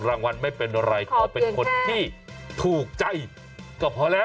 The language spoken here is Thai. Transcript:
รางวัลไม่เป็นไรขอเป็นคนที่ถูกใจก็พอแล้ว